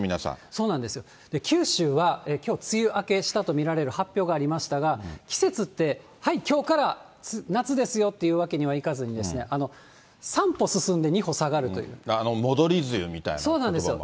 そうなんですよ、九州はきょう、梅雨明けしたと見られる発表がありましたが、季節って、はい、きょうから夏ですよっていうわけにはいかずにですね、戻り梅雨みたいなことばもあそうなんですよ。